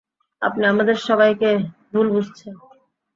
আপনি আমাদের সবাইকে ভুল বুঝছেন!